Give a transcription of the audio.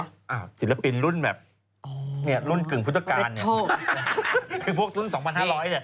อ้าวศิลปินรุ่นแบบรุ่นกึ่งพุทธกาลคือพวกรุ่น๒๕๐๐เนี่ย